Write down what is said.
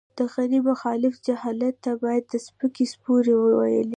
د غني مخالف جهت ته به يې سپکې سپورې ويلې.